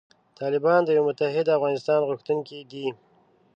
طالبان د یوې متحدې افغانستان غوښتونکي دي.